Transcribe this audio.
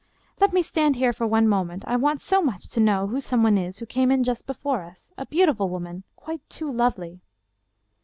" Let me stand here for one moment. I want so much to know who some one is who came in just before us. A beautiful woman. Quite too lovely."